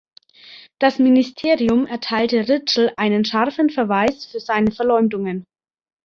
Das Ministerium erteilte Ritschl einen scharfen Verweis für seine Verleumdungen.